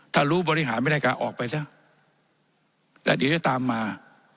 ถ้ารู้บริหารไม่ได้ก็ออกไปซะแล้วเดี๋ยวจะตามมา